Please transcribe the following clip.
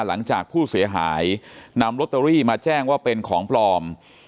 หลังจากผู้เสียหายนำลอตเตอรี่มาแจ้งว่าเป็นของปลอม